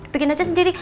begini aja sendiri